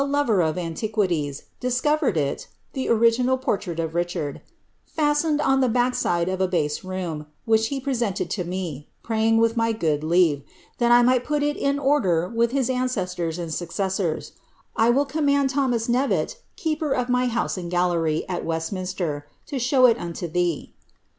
Tlieii, licf iiujesiv saiil, iLiliquities, discovered il (liie original pof t of Richard) laslencd on the bacfc siite of a base room, which be presenteil to me, praying with my good leave, that I might put it in order with his ancestors and successors : I will command Thomas Kne vet, keeper of my house and gallerv at Westminster, to show it unto thee."